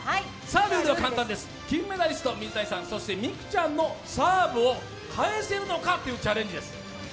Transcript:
ルールは簡単です、金メダリスト・水谷さん、そして美空ちゃんのサーブを返せるのかというチャレンジです。